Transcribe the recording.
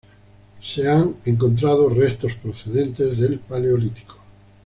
Se han encontrado restos procedentes del Paleolítico.